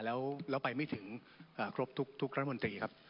แล้วไปไม่ถึงครบทุกรัฐมนตรีครับ